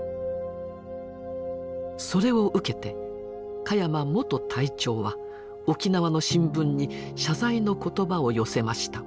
それを受けて鹿山元隊長は沖縄の新聞に謝罪の言葉を寄せました。